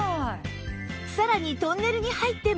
さらにトンネルに入っても